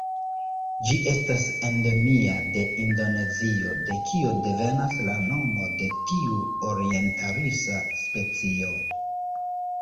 Ĝi estas endemia de Indonezio de kio devenas la nomo de tiu orientalisa specio.